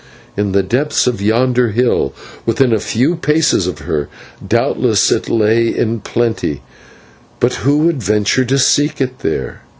In the depths of yonder hill, within a few paces of her, doubtless it lay in plenty, but who would venture to seek it there?